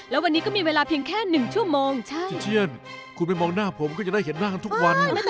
แล้ววันนี้ก็มีเวลาเพียงแค่๑ชั่วโมงใช่เช่นคุณไปมองหน้าผมก็จะได้เห็นหน้ากันทุกวัน